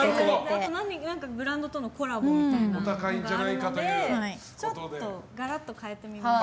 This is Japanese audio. あと、何かのブランドとのコラボみたいなということでちょっとガラッと変えてみました。